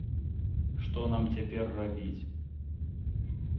Што нам цяпер рабіць?